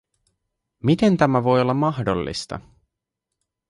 Miten tämä voi olla mahdollista?